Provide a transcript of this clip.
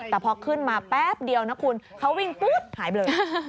แต่พอขึ้นมาแป๊บเดียวนะคุณเขาวิ่งปุ๊บหายไปเลย